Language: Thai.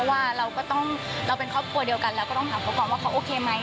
ว่าเราก็ต้องเราเป็นครอบครัวเดียวกันเราก็ต้องถามเขาก่อนว่าเขาโอเคไหม